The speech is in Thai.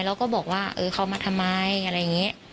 แล้วก็บอกว่าเออเขามาทำไมอะไรอย่างนี้